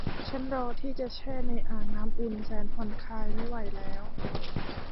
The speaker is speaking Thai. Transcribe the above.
ฉันรอที่จะแช่ในอ่างน้ำอุ่นแสนผ่อนคลายไม่ไหวแล้ว